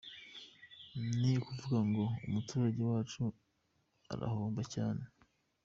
Ni ukuvuga ngo umuturage wacu arahomba cyane.